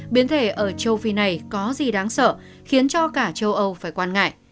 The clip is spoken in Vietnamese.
biến thể ở châu phi này có gì đáng sợ khiến cho cả châu âu phải quan ngại